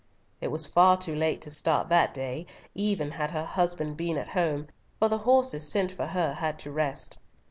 It was far too late to start that day, even had her husband been at home, for the horses sent for her had to rest.